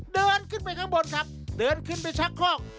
เดินขึ้นไปข้างบนครับเดินขึ้นไปชักคลอก